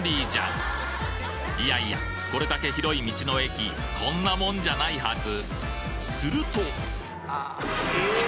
いやいやこれだけ広い道の駅こんなもんじゃないはず！